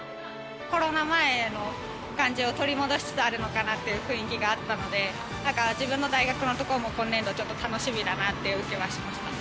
コロナ前の感じを取り戻しつつあるのかなという雰囲気があったので、なんか自分の大学の所も、今年度ちょっと楽しみだなと思いました。